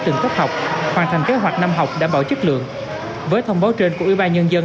tổ chức hoàn thành kế hoạch năm học đảm bảo chất lượng với thông báo trên của ủy ban nhân dân